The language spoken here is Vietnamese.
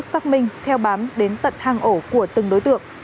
xác minh theo bám đến tận hàng ổ của từng đối tượng